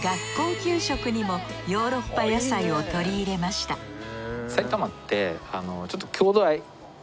給食にもヨーロッパ野菜を取り入れました子供たちが。